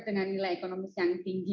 dengan nilai ekonomis yang tinggi